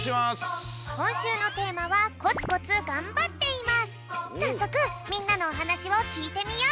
こんしゅうのテーマはさっそくみんなのおはなしをきいてみよう。